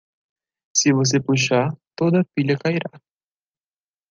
Se você puxar, toda a pilha cairá.